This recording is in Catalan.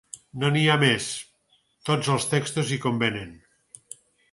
-No hi ha més. Tots els textos hi convenen…